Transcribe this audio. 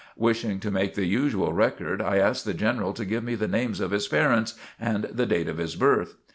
Wishing to make the usual record, I asked the General to give me the names of his parents and the date of his birth.